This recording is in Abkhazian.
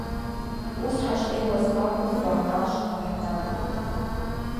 Ус ҳашнеиуаз акәымкәа, ашхәа ҳнадгылт.